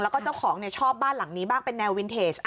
แล้วก็เจ้าของชอบบ้านหลังนี้บ้างเป็นแนววินเทจ